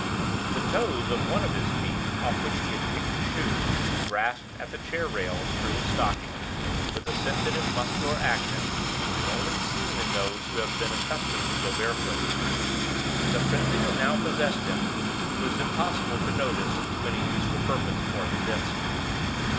The toes of one of his feet, off which he had kicked the shoe, grasped at the chair rail through his stocking, with the sensitive muscular action which is only seen in those who have been accustomed to go barefoot. In the frenzy that now possessed him, it was impossible to notice, to any useful purpose, more than this.